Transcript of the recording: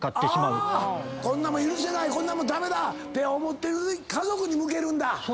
こんなもん許せないこんなもん駄目だって家族に向けるんだ